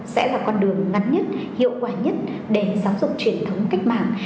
sẽ là con đường ngắn nhất hiệu quả nhất để giáo dục truyền thống cách mạng